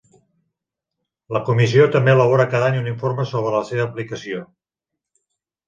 La Comissió també elabora cada any un informe sobre la seva aplicació.